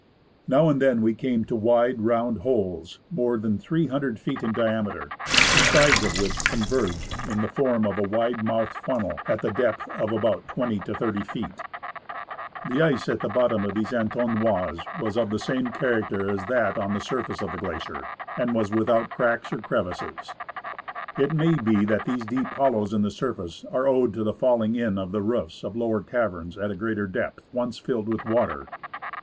Now and then we came to wide, round holes more than 300 feet in diameter, the sides of which converged in the form of a wide mouthed funnel, at a depth of about 20 to 30 feet. The ice at the bottom of these entonnoirs was of the same character as that on the surface of the glacier, and was without cracks or crevasses. It may be that these deep hollows in the surface are owed to the falling in of the roofs of lower caverns at a greater depth, once filled with water.